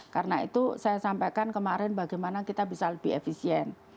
karena itu saya sampaikan kemarin bagaimana kita bisa lebih efisien